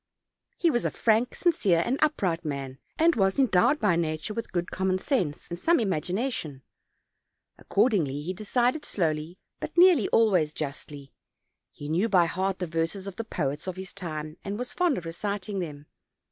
He was a frank, sincere, and up right man, and was endowed by nature with good com mon sense and some imagination: accordingly he decided slowly, but nearly always justly; he knew by heart the verses of the poets of his time, and was fond of reciting them.